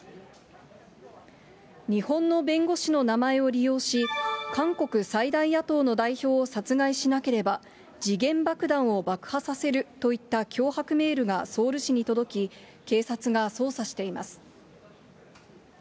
日本の弁護士の名前を利用し、韓国最大野党の代表を殺害しなければ、時限爆弾を爆破させるといった脅迫メールがソウル市に届き、警察が捜査しています。